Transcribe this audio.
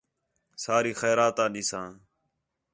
ساری خیرات آں ݙیساں